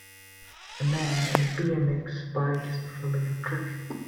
A man on a BMX bike is performing a trick.